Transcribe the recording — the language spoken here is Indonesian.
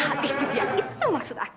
ah itu dia itu maksud aku